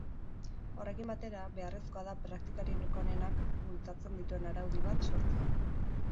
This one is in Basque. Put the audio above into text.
Horrekin batera, beharrezkoa da praktikarik onenak bultzatzen dituen araudi bat sortzea.